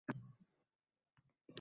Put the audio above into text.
Uni shinam dala shiyponida uchratdik.